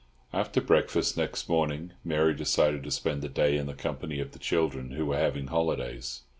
After breakfast next morning Mary decided to spend the day in the company of the children, who were having holidays.